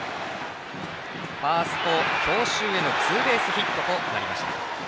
ファースト強襲のツーベースヒットとなりました。